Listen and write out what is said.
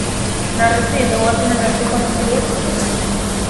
Narrasti eta ugaztunen arteko animaliak ziren.